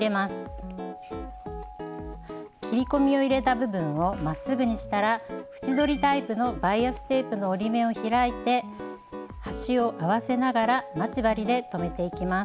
切り込みを入れた部分をまっすぐにしたら縁取りタイプのバイアステープの折り目を開いて端を合わせながら待ち針で留めていきます。